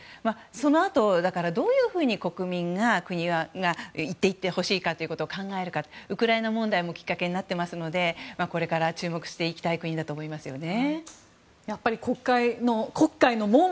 そのあと、どういうふうに国民は国が行ってほしいかということを考えるかウクライナ問題もきっかけになっていますのでこれから注目していきたい国でありますよね。